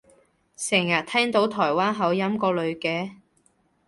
成日聽到台灣口音個女嘅